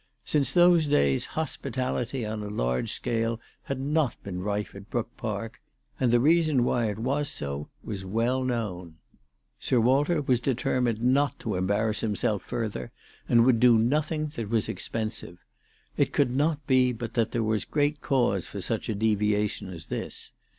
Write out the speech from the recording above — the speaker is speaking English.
Since those days hospitality on a large scale had not been rife at Brook Park and the reason why it was so was well known. Sir Walter was determined not to embarrass himself further, and would do nothing that was expensive. It could not be but that there was great cause for such a deviation as this.